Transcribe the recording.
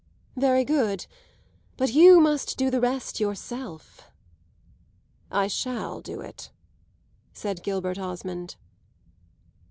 "Very good; but you must do the rest yourself." "I shall do it," said Gilbert Osmond.